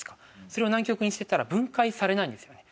それを南極に捨てたら分解されないんですよね。